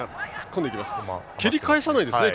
蹴り返さないですね